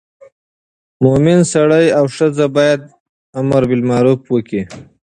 مومن سړی او ښځه باید امر بالمعروف وکړي.